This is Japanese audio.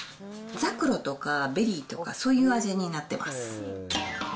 ザクロとかベリーとかそういう味になってます。